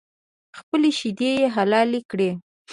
خپلې شیدې یې حلالې کړې